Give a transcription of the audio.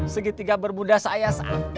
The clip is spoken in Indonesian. segitiga bermuda saya sakit